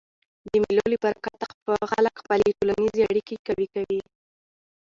د مېلو له برکته خلک خپلي ټولنیزي اړیکي قوي کوي.